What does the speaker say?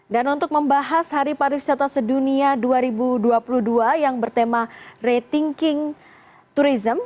dan untuk membahas hari pariwisata sedunia dua ribu dua puluh dua yang bertema rethinking tourism